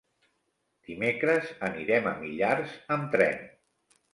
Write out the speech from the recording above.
Dimecres anirem a Millars amb tren.